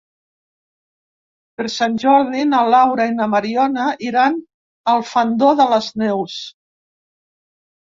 Per Sant Jordi na Laura i na Mariona iran al Fondó de les Neus.